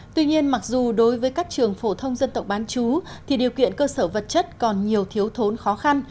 tuy nhiên mặc dù đối với các trường phổ thông dân tộc bán chú thì điều kiện cơ sở vật chất còn nhiều thiếu thốn khó khăn